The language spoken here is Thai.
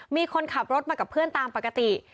มีคนขับรถมากับเพื่อนตามปกติ